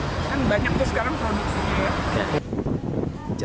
kan banyak tuh sekarang produksinya ya